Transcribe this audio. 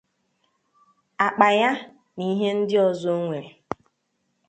àkpà ya na ihe ndị ọzọ o nwere.